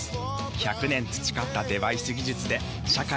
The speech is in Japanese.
１００年培ったデバイス技術で社会に幸せを作ります。